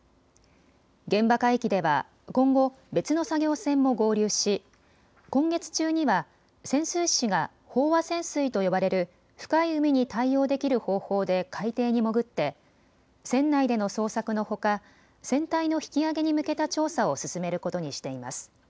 現場海域では今後、別の作業船も合流し今月中には潜水士が飽和潜水と呼ばれる深い海に対応できる方法で海底に潜って船内での捜索のほか船体の引き揚げに向けた調査を進めることにしています。